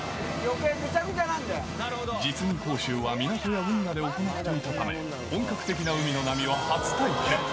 実技講習は、港や運河で行っていたため、本格的な海の波は初体験。